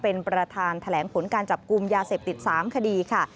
เป็นประธานแถลงผลการจับกลุ่มยาเสพติด๓คดีค่ะ